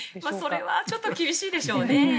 それはちょっと厳しいでしょうね。